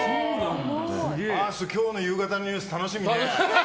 今日の夕方のニュース楽しみね。